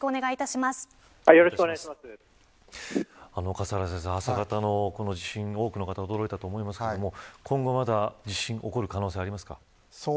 笠原先生、朝方の地震多くの方が驚いたと思いますが今後まだ地震が起こる可能性はありますか。